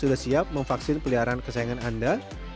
sudah siap memvaksin peliharaan kesayangan anda